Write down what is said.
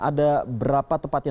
ada berapa tempatnya